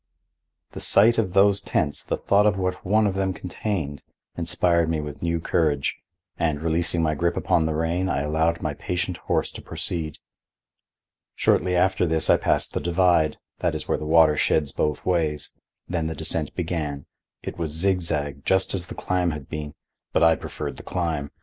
The sight of those tents, the thought of what one of them contained, inspired me with new courage, and, releasing my grip upon the rein, I allowed my patient horse to proceed. Shortly after this I passed the divide—that is where the water sheds both ways—then the descent began. It was zigzag, just as the climb had been, but I preferred the climb.